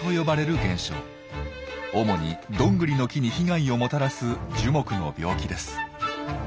主にドングリの木に被害をもたらす樹木の病気です。